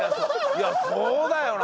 いやそうだよな！